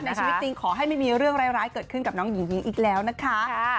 ชีวิตจริงขอให้ไม่มีเรื่องร้ายเกิดขึ้นกับน้องหญิงอีกแล้วนะคะ